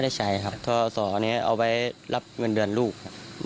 ได้คุยกันบ้างไหม